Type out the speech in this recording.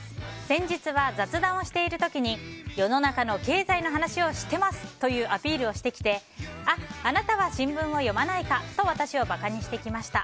先日は雑談をしている時に世の中の経済の話をしてますというアピールをしてきてあ、あなたは新聞を読まないかと私を馬鹿にしてきました。